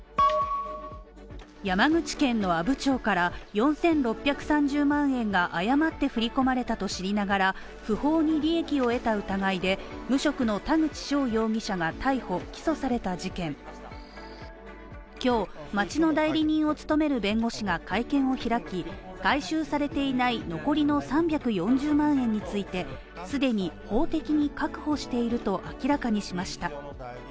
山口県の阿武町から４６３０万円が誤って振り込まれたと知りながら不法に利益を得た疑いで無職の田口翔容疑者が逮捕起訴された事件で今日町の代理人を務める弁護士が会見を開き、回収されていない残りの３４０万円について、既に法的に確保していると明らかにしました。